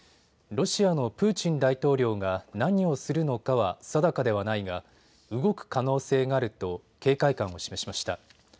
ロシアのプーチン大統領が何をするのかは定かではないが動く可能性があると警戒感を示しました。